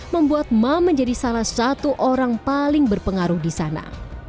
membuat ma menjadi salah satu orang paling berpengaruh di sana